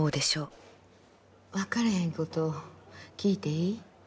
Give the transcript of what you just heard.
分かれへんこと聞いていい？